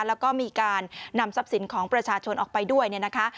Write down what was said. แล้วก็มีการนำทรัพย์สินของประชาชนออกไปด้วยเนี่ยนะคะ